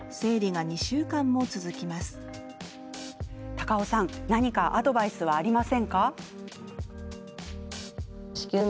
高尾さん何かアドバイスはありませんか？